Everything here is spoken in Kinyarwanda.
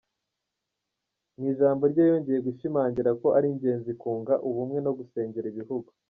Mu ijambo rye yongeye gushimangira ko ari ingenzi kunga ubumwe no gusengera ibihugu.